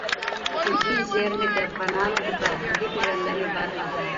طبیعي زیرمې د افغانانو د فرهنګي پیژندنې برخه ده.